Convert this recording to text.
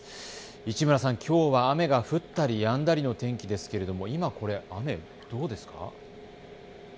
市村さん、きょうは雨が降ったりやんだりの天気ですが今、雨はどうですか。